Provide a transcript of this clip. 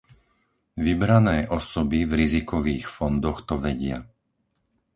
Vybrané osoby v rizikových fondoch to vedia.